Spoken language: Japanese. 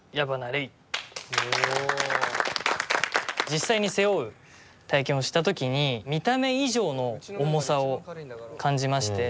実際に背負う体験をした時に見た目以上の重さを感じまして。